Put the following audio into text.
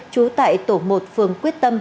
chú tại tổ một phường quyết tâm